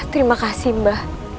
terima kasih mba